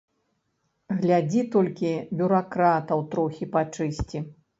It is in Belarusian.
Глядзі толькі бюракратаў трохі пачысці.